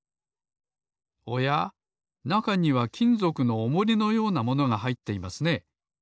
おやなかにはきんぞくのおもりのようなものがはいっていますね。